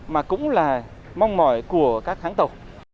mà cũng là mong mỏi của các hãng tàu